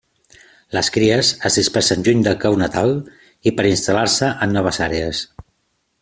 Les cries es dispersen lluny del cau natal i per a instal·lar-se en noves àrees.